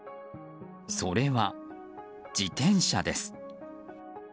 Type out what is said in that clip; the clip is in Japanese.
それは、自転車です。